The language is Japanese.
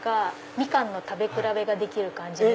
みかんの食べ比べができる感じで。